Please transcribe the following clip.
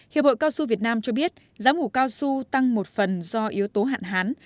hiệp hội cao su việt nam cho biết giá mủ cao su tăng một phần do yếu tố hạn hán